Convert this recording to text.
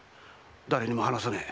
誰にも話さねえ。